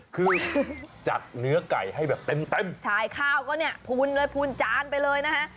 คือจัดเนื้อไก่ให้แบบเต็มเต็มใช่ข้าวก็เนี่ยพูนเลยพูนจานไปเลยนะฮะ